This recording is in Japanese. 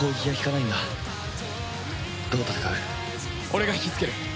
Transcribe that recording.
俺が引きつける。